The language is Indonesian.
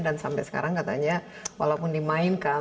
dan sampai sekarang katanya walaupun dimainkan